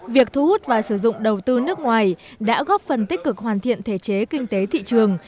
việc thu hút và sử dụng đầu tư nước ngoài đã góp phần tích cực hoàn thiện thể chế kinh tế thị trường